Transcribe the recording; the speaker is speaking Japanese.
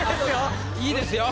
いいですよ。